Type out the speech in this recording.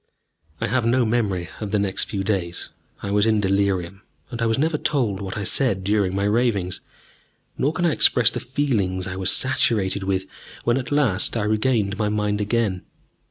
I have no memory of the next few days. I was in delirium, and I was never told what I said during my ravings. Nor can I express the feelings I was saturated with when at last I regained my mind again.